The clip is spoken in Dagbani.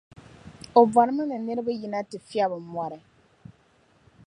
O bɔrimi ni niriba yina ti fiɛbi mɔri.